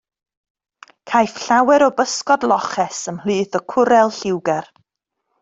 Caiff llawer o bysgod loches ymhlith y cwrel lliwgar.